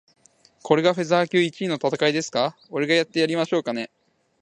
これがフェザー級一位の戦いですか？俺がやってやりましょうかね。